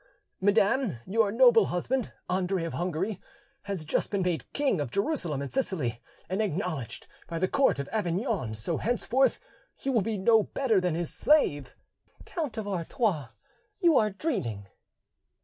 "Madam, your noble husband, Andre of Hungary, has just been made King of Jerusalem and Sicily, and acknowledged by the court of Avignon, so henceforth you will be no better than his slave." "Count of Artois, you are dreaming."